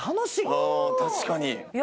ああ確かに。